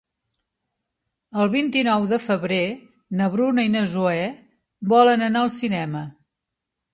El vint-i-nou de febrer na Bruna i na Zoè volen anar al cinema.